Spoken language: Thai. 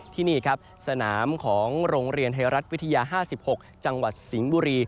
ที่นี่ครับสนามของโรงเรียนไทยรัฐวิทยา๕๖จังหวัดสิงห์บุรี